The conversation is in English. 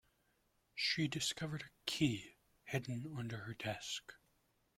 She discovered a key hidden under her desk.